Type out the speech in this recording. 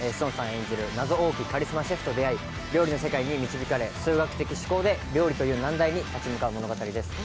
演じる謎多きカリスマシェフと会い、料理の世界に導かれ数学的思考で料理という難題に立ち向かう物語です。